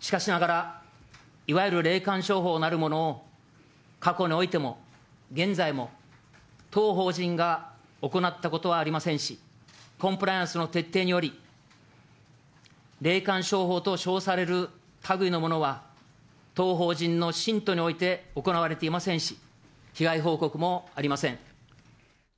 しかしながら、いわゆる霊感商法なるものを、過去においても、現在も、当法人が行ったことはありませんし、コンプライアンスの徹底により、霊感商法と称されるたぐいのものは、当法人の信徒において行われていませんし、被害報告もありません。